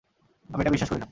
আমি এটা বিশ্বাস করি না।